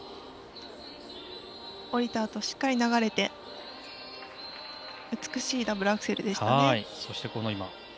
降りたあとしっかり流れて美しいダブルアクセルでしたね。